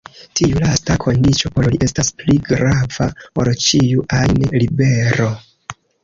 Tiu lasta kondiĉo por li estas pli grava ol ĉiu ajn libero.